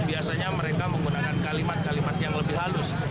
biasanya mereka menggunakan kalimat kalimat yang lebih halus